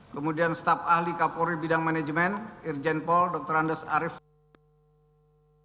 kemudian staf ahli kapolri bidang manajemen irjen paul dr andes arief